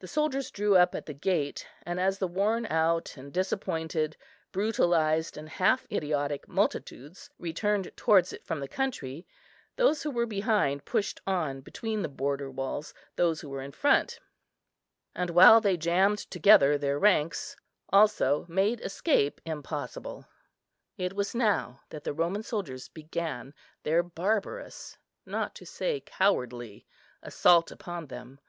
The soldiers drew up at the gate, and as the worn out and disappointed, brutalized and half idiotic multitudes returned towards it from the country, those who were behind pushed on between the border walls those who were in front, and, while they jammed together their ranks, also made escape impossible. It was now that the Roman soldiers began their barbarous, not to say cowardly, assault upon them.